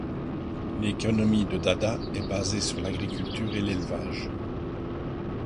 L'économie de Dadaş est basée sur l'agriculture et l'élevage.